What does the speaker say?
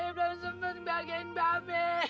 ayah belum sembang bahagiain mbak mbak